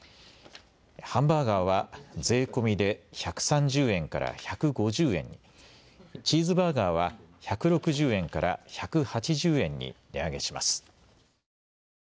ハンバーガーは税込みで１３０円から１５０円に、チーズバーガーは１６０円から１８０円に値上げします。